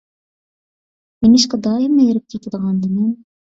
نېمىشقا دائىملا ھېرىپ كېتىدىغاندىمەن؟